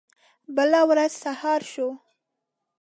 بله ورځ سهار شو.